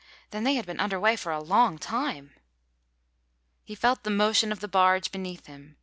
Then they had been underway for a long time. He felt the motion of the barge beneath him.